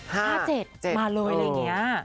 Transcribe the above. มาเลยอย่างเงี้ย